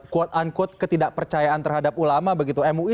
quote unquote ketidakpercayaan terhadap ulama begitu mui